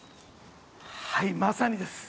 まさにです。